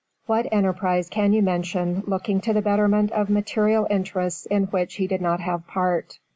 What enterprise can you mention looking to the betterment of material interests in which he did not have part?